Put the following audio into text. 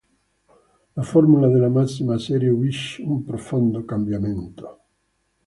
La formula della massima serie subisce un profondo cambiamento.